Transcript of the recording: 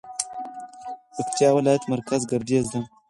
پکتيا ولايت مرکز ګردېز ده